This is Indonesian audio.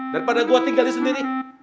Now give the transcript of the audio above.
daripada gue tinggalin sendiri